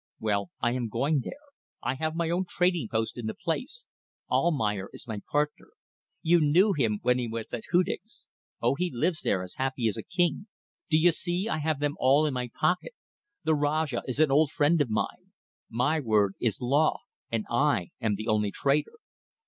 Well, I am going there. I have my own trading post in the place. Almayer is my partner. You knew him when he was at Hudig's. Oh, he lives there as happy as a king. D'ye see, I have them all in my pocket. The rajah is an old friend of mine. My word is law and I am the only trader.